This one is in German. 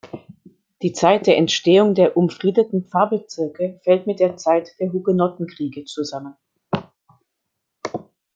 Die Zeit der Entstehung der umfriedeten Pfarrbezirke fällt mit der Zeit der Hugenottenkriege zusammen.